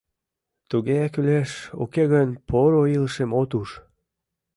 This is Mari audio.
Туге кӱлеш, уке гын, поро илышым от уж.